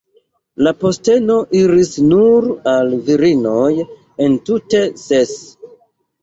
La posteno iris nur al virinoj, entute ses.